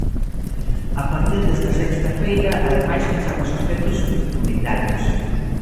A partir desta sexta feira, ademais, "pechamos os centros sociocomuntarios".